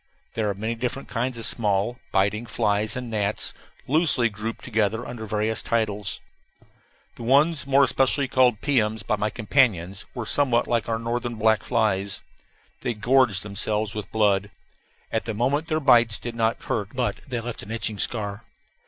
There are many different kinds of small, biting flies and gnats, loosely grouped together under various titles. The ones more especially called piums by my companions were somewhat like our northern black flies. They gorged themselves with blood. At the moment their bites did not hurt, but they left an itching scar.